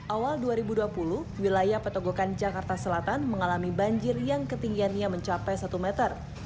awal dua ribu dua puluh wilayah petogokan jakarta selatan mengalami banjir yang ketinggiannya mencapai satu meter